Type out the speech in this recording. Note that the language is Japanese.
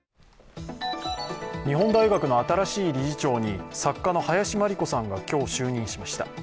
日本大学の新しい理事長に作家の林真理子さんが今日就任しました。